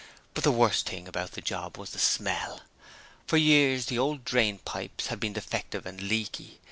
But the worst thing about the job was the smell. For years the old drain pipes had been defective and leaky.